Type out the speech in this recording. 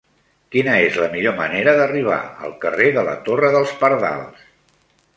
Quina és la millor manera d'arribar al carrer de la Torre dels Pardals?